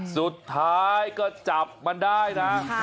สุดท้ายก็จับมันได้นะ